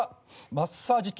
マッサージ機。